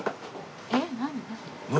えっ何？